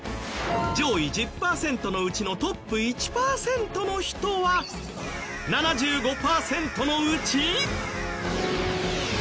上位１０パーセントのうちのトップ１パーセントの人は７５パーセントのうち。